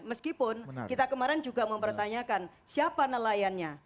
meskipun kita kemarin juga mempertanyakan siapa nelayannya